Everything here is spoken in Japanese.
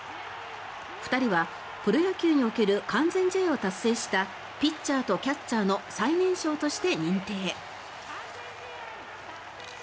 二人は「プロ野球における完全試合を達成したピッチャーとキャッチャーの最年少」として認定。